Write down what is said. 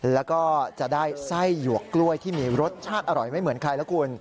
แล้วก็จะได้ไส้หยวกกล้วยที่มีรสชาติอร่อยไม่เหมือนใครแล้วคุณ